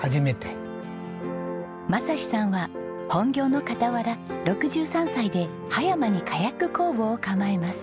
雅士さんは本業の傍ら６３歳で葉山にカヤック工房を構えます。